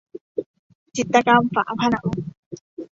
จิตกรรมฝาผนัง